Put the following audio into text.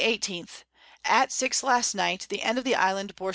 _ At 6 last Night the End of the Island bore S.